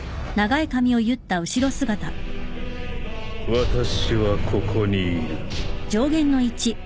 私はここにいる。